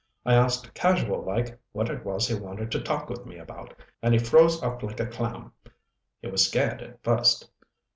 I asked casual like what it was he wanted to talk with me about and he froze up like a clam. He was scared, at first.